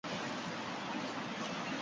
Agortuta, orain arte.